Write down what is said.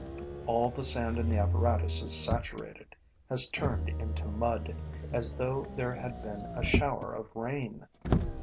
All the sand in the apparatus is saturated, has turned into mud, as though there had been a shower of rain.